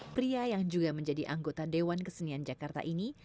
pria yang juga menjadi anggota dewan kesenian jakarta ini